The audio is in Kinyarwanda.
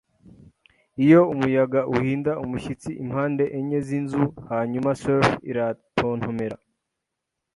iyo umuyaga uhinda umushyitsi impande enye zinzu hanyuma serf iratontomera